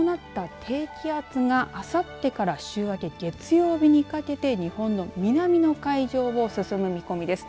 前線を伴った低気圧があさってから週明け月曜日にかけて日本の南の海上を進む見込みです。